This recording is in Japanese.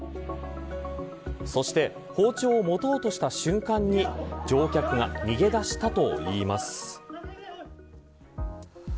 そして包丁を持とうとした瞬間に乗客が逃げ出したといいます。